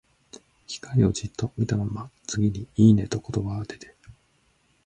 機械をじっと見たまま、次に、「いいね」と言葉が出て、